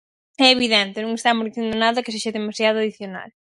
É evidente, non estamos dicindo nada que sexa demasiado adicional.